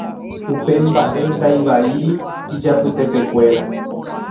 Upe mbaʼe ndaivaíri ijapytepekuéra.